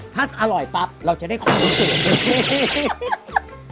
ถ้าอร่อยปรับเราจะได้ความรู้สึก